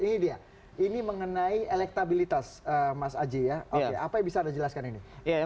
ini dia ini mengenai elektabilitas mas aji ya oke apa yang bisa anda jelaskan ini